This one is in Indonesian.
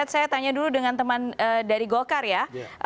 saya tanya dulu dengan teman dari golkar ya